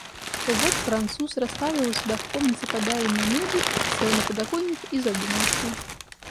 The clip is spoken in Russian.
Вот француз расставил у себя в комнате подаренную мебель, сел на подоконник и задумался.